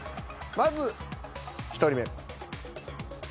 まず１人目。